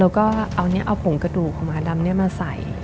แล้วก็เอาเนี้ยเอาผงกระดูกของหมาดำเนี้ยมาใส่